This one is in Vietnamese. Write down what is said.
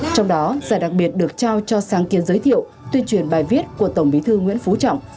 trong đó giải đặc biệt được trao cho sáng kiến giới thiệu tuyên truyền bài viết của tổng bí thư nguyễn phú trọng